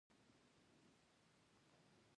پاکه هوا د انسان روغتيا ته ډېره مهمه ده.